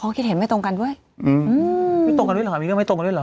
คิดเห็นไม่ตรงกันด้วยอืมไม่ตรงกันด้วยเหรอคะมีเรื่องไม่ตรงกันด้วยเหรอ